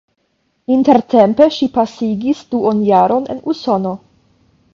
Intertempe ŝi pasigis duonjaron en Usono.